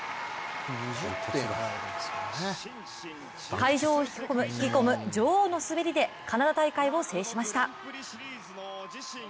会場を引き込む女王の滑りでカナダ大会を制しました。